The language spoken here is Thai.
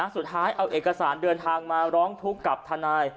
สุดท้ายเอาเอกสารเดินทางมาร้องทุกข์กับทนาย